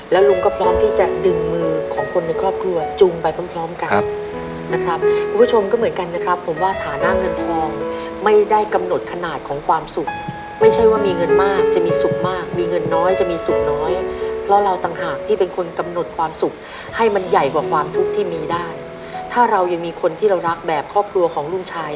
แล้วลุงก็พร้อมที่จะดึงมือของคนในครอบครัวจูงไปพร้อมพร้อมกันนะครับคุณผู้ชมก็เหมือนกันนะครับผมว่าฐานะเงินทองไม่ได้กำหนดขนาดของความสุขไม่ใช่ว่ามีเงินมากจะมีสุขมากมีเงินน้อยจะมีสุขน้อยเพราะเราต่างหากที่เป็นคนกำหนดความสุขให้มันใหญ่กว่าความทุกข์ที่มีได้ถ้าเรายังมีคนที่เรารักแบบครอบครัวของลุงชาย